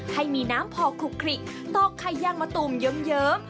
ให้มีน้ำพอคลุกตอกไข่ย่างมาตุ่มเยิม